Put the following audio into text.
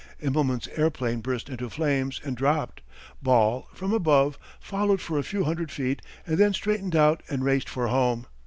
Immelman's airplane burst into flames and dropped. Ball, from above, followed for a few hundred feet and then straightened out and raced for home.